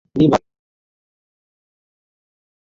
তিনি বাংলা গদ্যে অনুবাদ বরেন।